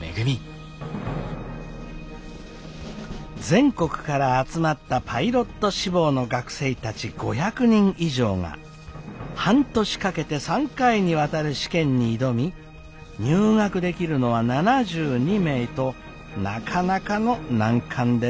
全国から集まったパイロット志望の学生たち５００人以上が半年かけて３回にわたる試験に挑み入学できるのは７２名となかなかの難関です。